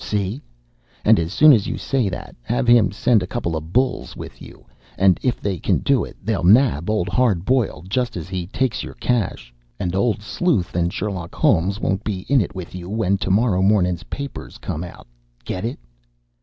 See? And as soon as you say that, have him send a couple of bulls with you, and if they can do it, they'll nab Old Hard Boiled just as he takes your cash. And Old Sleuth and Sherlock Holmes won't be in it with you when to morrow mornin's papers come out. Get it?"